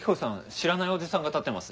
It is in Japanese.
知らないおじさんが立ってます。